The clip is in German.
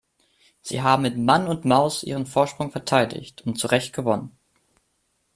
Sie haben mit Mann und Maus ihren Vorsprung verteidigt und zurecht gewonnen.